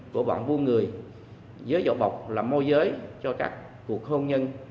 của bọn vua người dưới vỏ bọc là môi giới cho các cuộc hôn nhân